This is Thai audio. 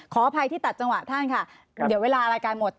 ขออภัยที่ตัดจังหวะท่านค่ะเดี๋ยวเวลารายการหมด